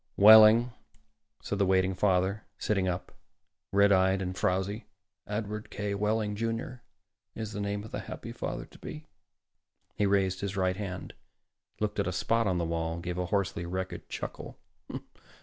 "Wehling," said the waiting father, sitting up, red eyed and frowzy. "Edward K. Wehling, Jr., is the name of the happy father to be." He raised his right hand, looked at a spot on the wall, gave a hoarsely wretched chuckle.